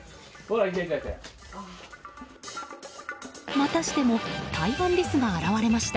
またしてもタイワンリスが現れました。